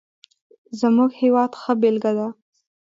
زموږ هېواد ښه بېلګه ده.